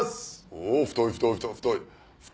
お太い太い太い。